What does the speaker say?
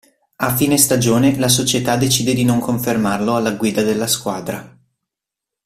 A fine stagione la società decide di non confermarlo alla guida della squadra.